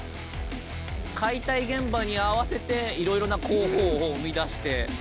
解体現場に合わせていろいろな工法を生み出して。